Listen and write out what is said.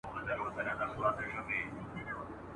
د رنګ او ښایست سیمه ده ..